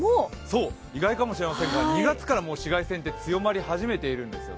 意外かも知れませんが２月から紫外線って強まり始めているんですよね。